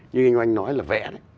như anh oanh nói là vẽ